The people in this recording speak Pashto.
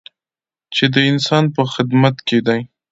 چې د انسان په خدمت کې دی.